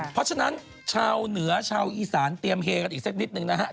เพราะฉะนั้นชาวเหนือชาวอีสานเตรียมเฮกันอีกสักนิดนึงนะฮะ